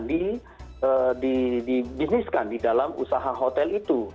dibisniskan di dalam usaha hotel itu